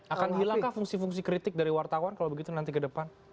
akan hilangkah fungsi fungsi kritik dari wartawan kalau begitu nanti ke depan